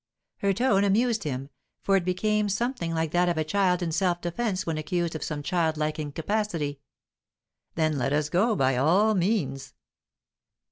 Her tone amused him, for it became something like that of a child in self defence when accused of some childlike incapacity. "Then let us go, by all means."